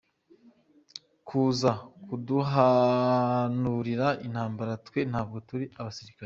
Kuza kuduhanurira intambara twe ntabwo turi abasirikari.